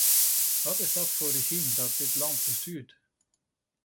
Wat is dat voor een regime dat dit land bestuurt?